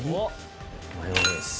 マヨネーズ？